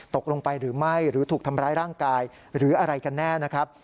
ตกลงไปหรือไม่หรือถูกทำร้ายร่างกายหรืออะไรกันแน่นะครับ